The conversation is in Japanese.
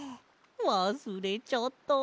わすれちゃった。